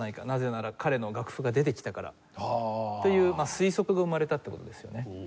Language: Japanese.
なぜなら彼の楽譜が出てきたからという推測が生まれたって事ですよね。